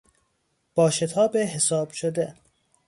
با شتاب حساب شده